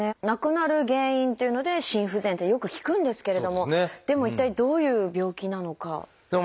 亡くなる原因っていうので「心不全」ってよく聞くんですけれどもでも一体どういう病気なのか。